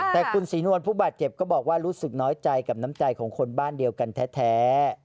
แต่คุณศรีนวลผู้บาดเจ็บก็บอกว่ารู้สึกน้อยใจกับน้ำใจของคนบ้านเดียวกันแท้